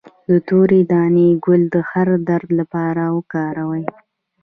د تورې دانې ګل د هر درد لپاره وکاروئ